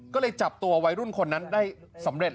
ก็เลยจับตัววัยรุ่นคนนั้นได้สำเร็จ